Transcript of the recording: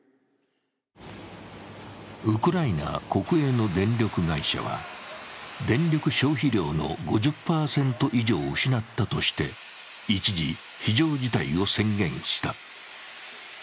ウクライナ国営の電力会社は電力消費量の５０％以上を失ったとして一時非常事態を宣言した。